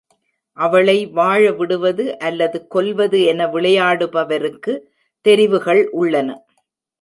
அவளை வாழ விடுவது அல்லது கொல்வது என விளையாடுபவருக்கு தெரிவுகள் உள்ளன.